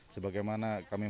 sebagaimana kami mencari